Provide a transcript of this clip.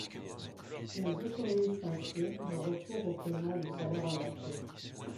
Ils autorisent ainsi le retour au paiement du salaire en nature.